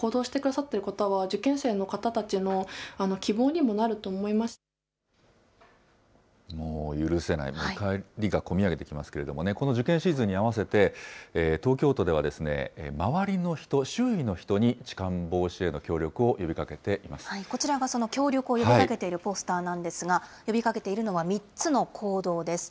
もう許せない、怒りがこみ上げてきますけれどもね、この受験シーズンに合わせて、東京都では周りの人、周囲の人に、痴漢防止への協力を呼びかけていこちらが、その協力を呼びかけているポスターなんですが、呼びかけているのは３つの行動です。